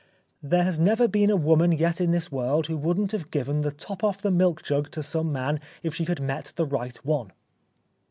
" There has never been a woman yet in this world who wouldn't have given the top off the milkjug to some man if she had met the right one."